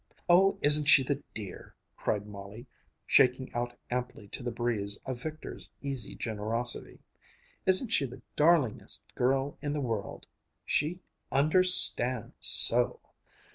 "Oh, isn't she the dear!" cried Molly, shaking out amply to the breeze a victor's easy generosity. "Isn't she the darlingest girl in the world! She understands so!